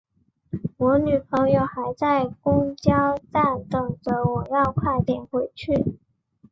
我女朋友还在公交站等着，我要快点回去。